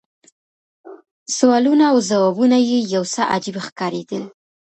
سوالونه او ځوابونه یې یو څه عجیب ښکارېدل.